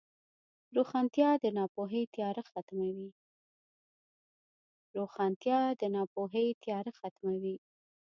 روښانتیا د ناپوهۍ تیاره ختموي.